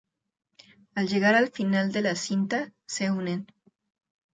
Al llegar al final de la cinta, se unen.